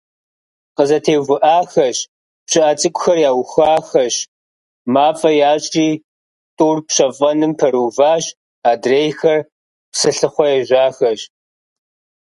КъызэтеувыӀахэщ, пщыӀэ цӀыкӀухэр яухуахэщ, мафӀи ящӀри тӀур пщэфӀэным пэрыуващ, адрейхэр псылъыхъуэ ежьахэщ.